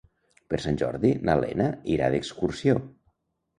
Per Sant Jordi na Lena irà d'excursió.